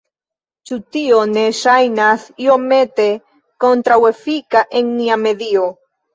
Ĉu tio ne ŝajnas iomete kontraŭefika en nia medio?